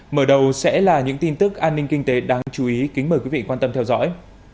mở đầu sẽ là những tin tức an ninh kinh tế đáng chú ý kính mời quý vị quan tâm theo dõi